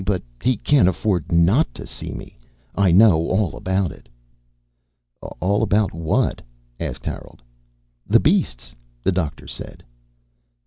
But he can't afford not to see me. I know all about it." "All about what?" asked Harold. "The beasts," the doctor said.